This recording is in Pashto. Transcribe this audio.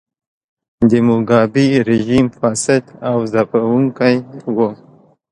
د موګابي رژیم فاسد او ځپونکی و.